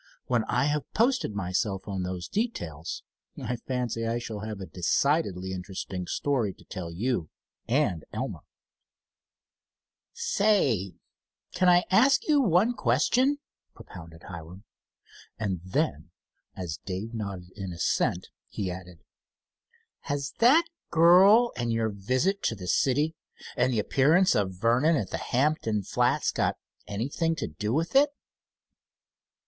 When I have posted myself on those details, I fancy I shall have a decidedly interesting story to tell you and Elmer." "Say, can I ask you one question?" propounded Hiram, and then, as Dave nodded in assent, he added: "Has that girl, and your visit to the city and the appearance of Vernon at the Hampton Flats got anything to do with it?"